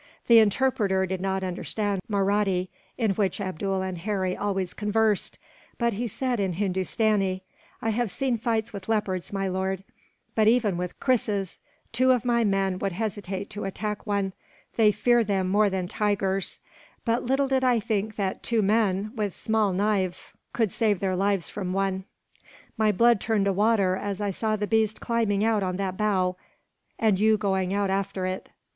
The interpreter did not understand Mahratti, in which Abdool and Harry always conversed; but he said in Hindustani: "I have seen fights with leopards, my lord, but even with krises, two of my people would hesitate to attack one they fear them more than tigers but little did I think that two men, with small knives, could save their lives from one. My blood turned to water, as I saw the beast climbing out on that bough, and you going out after it."